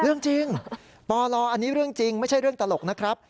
เรื่องจริงปลอันนี้เรื่องจริงไม่ใช่เรื่องตลกนะครับ